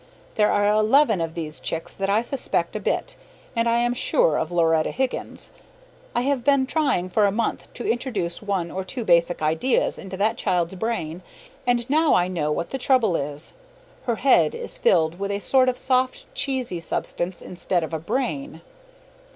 There are eleven of these chicks that I suspect a bit, and I am SURE of Loretta Higgins. I have been trying for a month to introduce one or two basic ideas into that child's brain, and now I know what the trouble is: her head is filled with a sort of soft cheesy substance instead of brain.